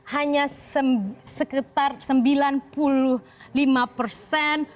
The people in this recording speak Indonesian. hanya sekitar sembilan puluh lima persen